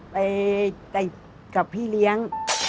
ไปกับพี่เลี้ยง